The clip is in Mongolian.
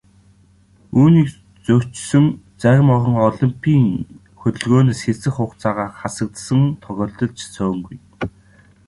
Үүнийг зөрчсөн зарим орон олимпын хөдөлгөөнөөс хэсэг хугацаагаар хасагдсан тохиолдол ч цөөнгүй.